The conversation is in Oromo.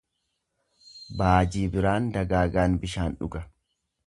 Baajii biraan dagaagaan bishaan dhuga.